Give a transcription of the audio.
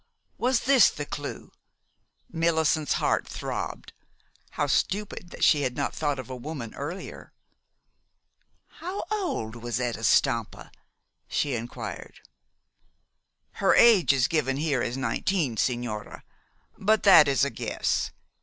Was this the clew? Millicent's heart throbbed. How stupid that she had not thought of a woman earlier! "How old was Etta Stampa?" she inquired. "Her age is given here as nineteen, sigñora; but that is a guess.